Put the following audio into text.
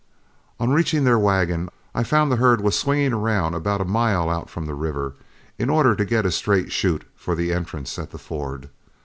On reaching their wagon, I found the herd was swinging around about a mile out from the river, in order to get a straight shoot for the entrance at the ford.